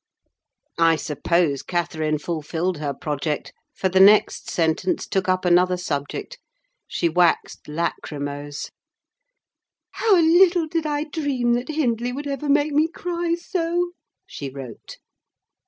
I suppose Catherine fulfilled her project, for the next sentence took up another subject: she waxed lachrymose. "How little did I dream that Hindley would ever make me cry so!" she wrote.